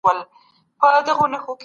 فقر هم ازموينه ده.